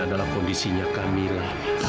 adalah kondisinya kamila